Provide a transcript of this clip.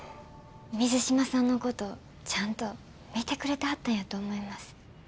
水島さんのことちゃんと見てくれてはったんやと思います。